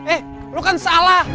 eh lu kan salah